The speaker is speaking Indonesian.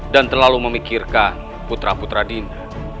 dan terlalu memikirkan putra putra dinda